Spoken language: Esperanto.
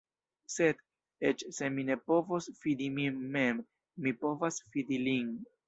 Sed, eĉ se mi ne povos fidi min mem, mi povas fidi lin.